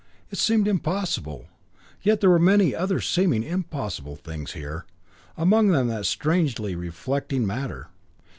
It seemed impossible, yet there were many other seeming impossible things here, among them that strangely reflecting matter.